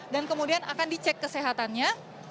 kemudian akan dicek kesehatannya